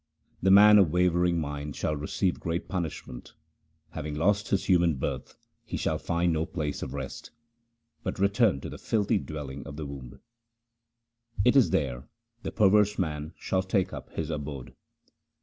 The man of wavering mind shall receive great punishment : Having lost his human birth he shall find no place of rest, But return to the filthy dwelling of the womb : It is there the perverse man shall take up his abode.